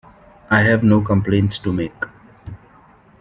I have no complaints to make.